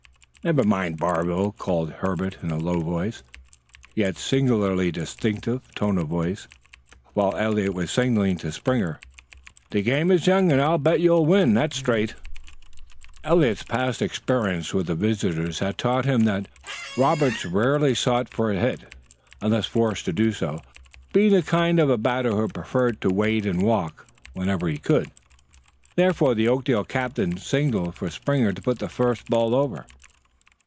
"Never mind, Barville," called Herbert in a low, yet singularly distinct, tone of voice, while Eliot was signaling to Springer. "The game is young, and I'll bet you'll win. That's straight." Eliot's past experience with the visitors had taught him that Roberts rarely sought for a hit unless forced to do so, being the kind of a batter who preferred to wait and walk whenever he could; therefore the Oakdale captain signed for Springer to put the first ball over.